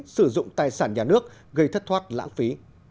sử dụng tài sản nhà nước gây thất thoát lãng phí